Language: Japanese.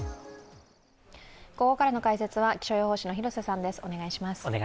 ここからの解説は気象予報士の広瀬さんです。